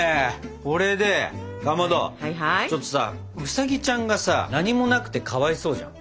これでかまどちょっとさウサギちゃんがさ何もなくてかわいそうじゃん。